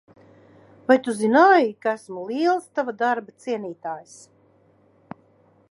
Vai tu zināji, ka esmu liels tava darba cienītājs?